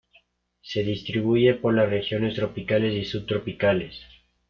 Se distribuye por las regiones tropicales y subtropicales.